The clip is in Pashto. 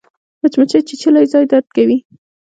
مچمچۍ چیچلی ځای درد کوي